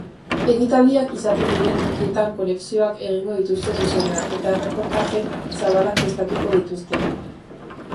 Ekitaldiak izaten diren tokiekin konexioak egingo dituzte zuzenean eta erreportaje zabalak prestatuko dituzte.